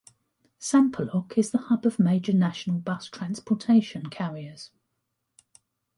Sampaloc is the hub of major national bus transportation carriers.